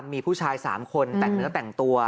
มีผู้ชาย๓คนแต่งเนื้อแต่งตัว